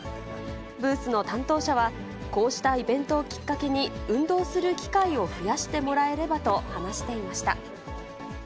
ブースの担当者は、こうしたイベントをきっかけに、運動する機会を増やしてもらえればと話していました。